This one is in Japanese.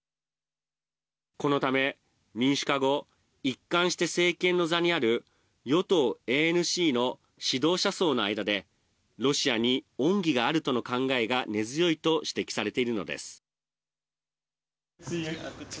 このため民主化後一貫して政権の座にある与党ＡＮＣの指導者層の間でロシアに恩義があるとの考えが根強いと指摘されているのです。